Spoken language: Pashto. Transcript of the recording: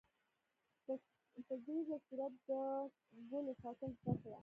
په ځیږه صورت د ګلو ساتل زده کړه.